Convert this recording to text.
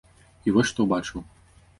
І вось што ўбачыў.